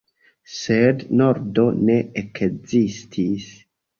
Sed nordo ne ekzistis.